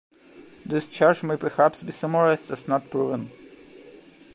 This charge may perhaps be summarised as not proven.